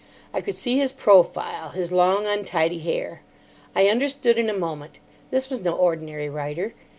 I could see his profile, his long untidy hair. I understood in a moment. This was no ordinary writer.